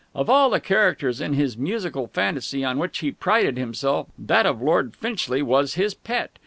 Of all the characters in his musical fantasy on which he prided himself, that of Lord Finchley was his pet.